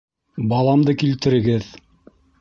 Баламды килтерегеҙ!